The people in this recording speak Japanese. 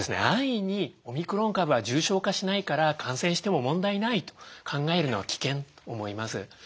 安易にオミクロン株は重症化しないから感染しても問題ないと考えるのは危険と思います。